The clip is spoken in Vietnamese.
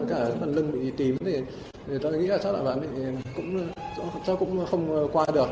với cả lưng bị tím thì tôi nghĩ là chắc là bạn ấy cũng không qua được